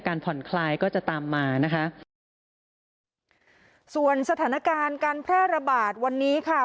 ผ่อนคลายก็จะตามมานะคะส่วนสถานการณ์การแพร่ระบาดวันนี้ค่ะ